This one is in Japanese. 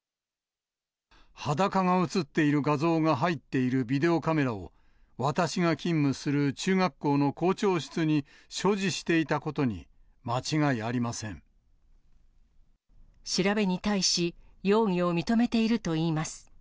裸が写っている画像が入っているビデオカメラを、私が勤務する中学校の校長室に所持していたことに間違いありませ調べに対し、容疑を認めているといいます。